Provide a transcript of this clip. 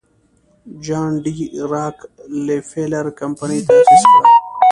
جان ډي راکلفیلر کمپنۍ تاسیس کړه.